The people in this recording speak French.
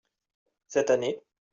cette année.